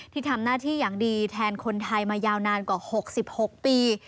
ที่ทำหน้าที่อย่างดีแทนคนไทยมายาวนานกว่า๖๖ปี